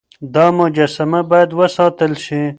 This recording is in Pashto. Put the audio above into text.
دا مجسمه بايد وساتل شي.